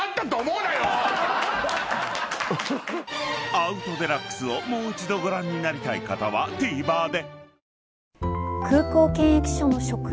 ［『アウト×デラックス』をもう一度ご覧になりたい方はＴＶｅｒで］